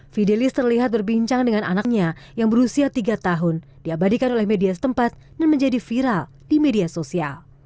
fidelis terlihat berbincang dengan anaknya yang berusia tiga tahun diabadikan oleh media setempat dan menjadi viral di media sosial